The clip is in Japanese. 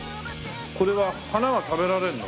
これは花は食べられるの？